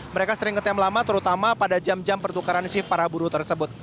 mereka sering ngetem lama terutama pada jam jam pertukaran si para buruh tersebut